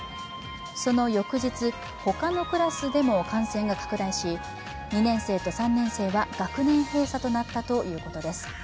その翌日、他のクラスでも感染が拡大し、２年生と３年生は学年閉鎖となったということです。